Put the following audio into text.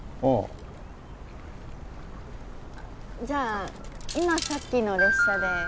じゃあ今さっきの列車で。